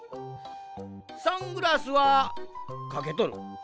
サングラスはかけとる。